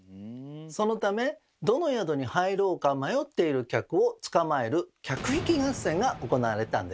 そのためどの宿に入ろうか迷っている客をつかまえる客引き合戦が行われたんです。